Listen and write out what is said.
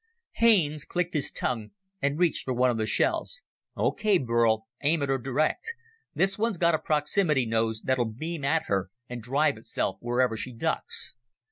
Haines clicked his tongue and reached for one of the shells. "Okay, Burl, aim at her direct. This one's got a proximity nose that'll beam at her and drive itself where ever she ducks."